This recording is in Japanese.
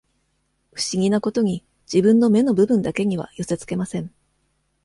不思議なことに、自分の目の部分だけには寄せつけません。